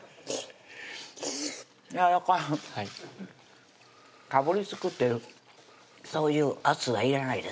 やわらかいかぶりつくってそういう圧はいらないです